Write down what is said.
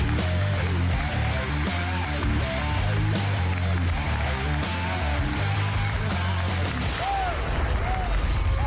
ผู้ชมดีกันต่อเลยจ้า